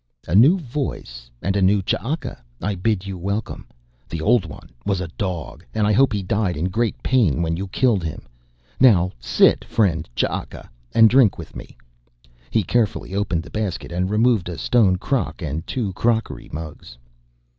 "A new voice and a new Ch'aka I bid you welcome. The old one was a dog and I hope he died in great pain when you killed him. Now sit friend Ch'aka and drink with me." He carefully opened the basket and removed a stone crock and two crockery mugs.